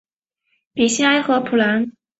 比西埃和普兰。